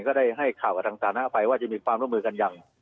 ก็ได้ให้ข่าวอาทักษะนภัยว่าจะมีความร่วมมือกันอย่าง